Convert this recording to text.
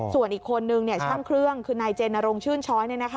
ส่วนอีกคนนึงช่างเครื่องคือนายเจนรงชื่นช้อย